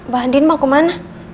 bahan dinmah kuman